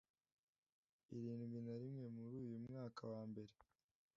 irindwi na rimwe Muri uyu mwaka wa mbere